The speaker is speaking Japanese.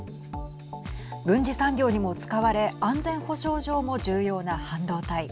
軍事産業にも使われ安全保障上も重要な半導体。